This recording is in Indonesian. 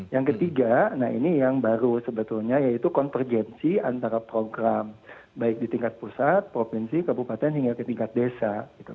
yang ketiga nah ini yang baru sebetulnya yaitu konvergensi antara program baik di tingkat pusat provinsi kabupaten hingga ke tingkat desa